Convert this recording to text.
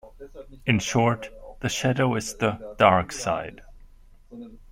In short, the shadow is the "dark side".